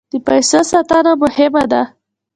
د پیسو ساتنه مهمه ده.